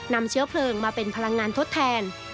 นำเชื้อเพลิงมาเป็นพลังงานทดแทน